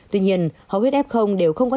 tuy nhiên hầu hết f đều không có